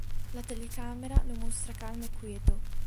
La telecamera lo mostra calmo e quieto.